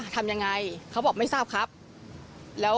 โทรศัพท์โทรศัพท์โทรศัพท์